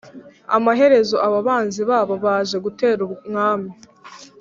Amaherezo abo banzi babo baje gutera umwami